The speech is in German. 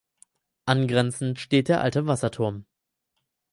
Angrenzend steht der Alte Wasserturm.